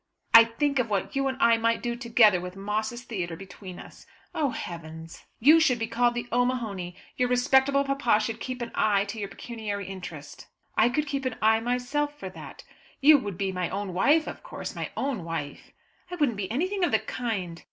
"I think of what you and I might do together with Moss's theatre between us." "Oh, heavens!" "You should be called the O'Mahony. Your respectable papa should keep an eye to your pecuniary interest." "I could keep an eye myself for that." "You would be my own wife, of course my own wife." "I wouldn't be anything of the kind."